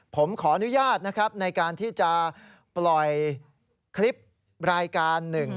ผมขออนุญาตนะครับในการที่จะปล่อยคลิปรายการหนึ่ง